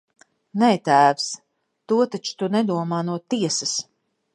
Nē, tēvs, to taču tu nedomā no tiesas!